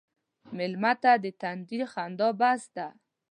مېلمه ته د تندي خندا بس ده.